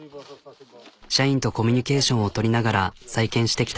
社員とコミュニケーションを取りながら再建してきた。